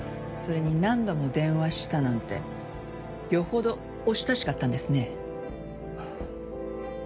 それに何度も電話したなんてよほどお親しかったんですね。